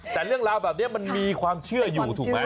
แต่เรื่องราวแบบนี้มันมีความเชื่ออยู่ถูกไหม